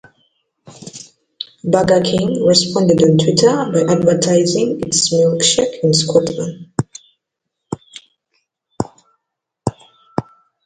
Burger King responded on Twitter by advertising its milkshakes in Scotland.